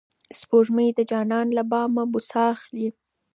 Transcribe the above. سپوږمۍ د جانان له بامه بوسه اخلي.